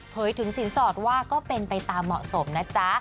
ถึงสินสอดว่าก็เป็นไปตามเหมาะสมนะจ๊ะ